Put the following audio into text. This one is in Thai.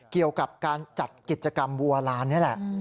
เกี่ยวกับการจัดกิจกรรมบัวลานนี่แหละ